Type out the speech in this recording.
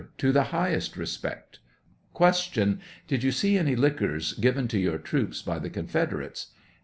To the highest respect. 106 Q. Did you see any liquors given to your troops by the Confederates.